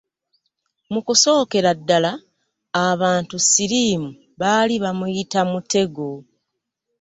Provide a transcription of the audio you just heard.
Mukusokera ddala abantu siriimu baali bamuyita mutego.